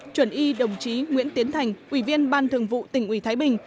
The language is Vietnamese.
chuẩn y đồng chí nguyễn tiến thành ủy viên ban thường vụ tỉnh ủy thái bình